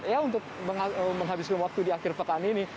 ya untuk menghabiskan waktu di akhir pekan ini